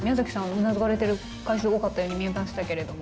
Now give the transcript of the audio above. うなずかれてる回数多かったように見えましたけれども。